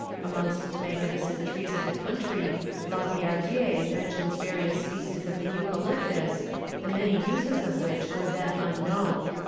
Amongst the magnificent trees of the country, La Billardière mentions various species of the eucalyptus, the many uses of which were then unknown.